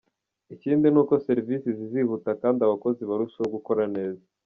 Ikindi ni uko serivisi zizihuta kandi abakozi barusheho gukora neza.